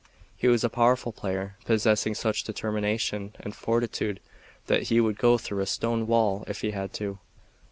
He was a powerful player; possessing such determination and fortitude that he would go through a stone wall if he had to.